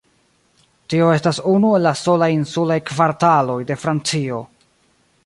Tio estas unu el la solaj insulaj kvartaloj de Francio.